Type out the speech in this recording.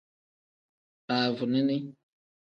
Baavunini.